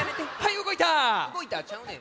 うごいたちゃうねん。